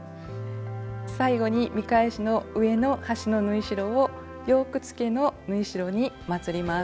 最後に見返しの上の端の縫い代をヨークつけの縫い代にまつります。